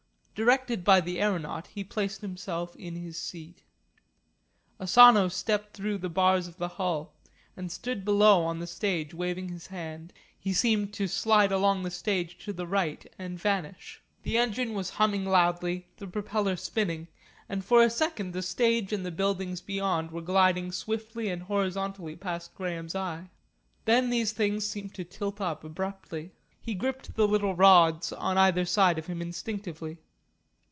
Directed by the aeronaut he placed himself in his seat. Asano stepped through the bars of the hull, and stood below on the stage waving his hand. He seemed to slide along the stage to the right and vanish. The engine was humming loudly, the propeller spinning, and for a second the stage and the buildings beyond were gliding swiftly and horizontally past Graham's eye; then these things seemed to tilt up abruptly. He gripped the little rods on either side of him instinctively.